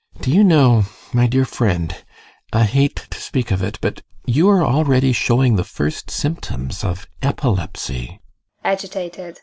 GUSTAV. Do you know, my dear friend I hate to speak of it, but you are already showing the first symptoms of epilepsy.